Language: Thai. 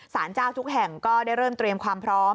สารเจ้าทุกแห่งก็ได้เริ่มเตรียมความพร้อม